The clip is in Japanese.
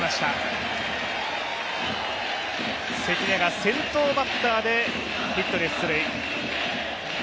関根が先頭バッターでヒットで出塁。